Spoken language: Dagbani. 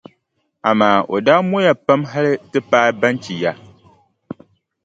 Amaa o daa mɔya pam hali ti paai Banchi ya.